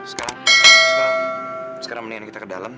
sekarang mendingan kita ke dalam